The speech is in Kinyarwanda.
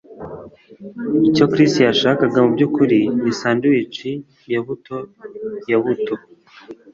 Icyo Chris yashakaga mubyukuri ni sandwich ya buto ya buto